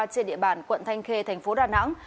trên địa bàn quận thanh khê thành phố đà nẵng